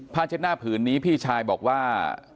เช็ดหน้าผืนนี้พี่ชายบอกว่า